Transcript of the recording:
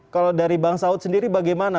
kalau dari bang saud sendiri bagaimana